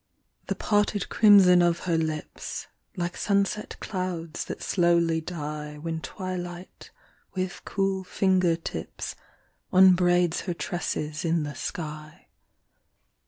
The parted crimson of her lips Like sunset clouds that slowly die When twilight with cool finger tips Unbraids her tresses in the sky.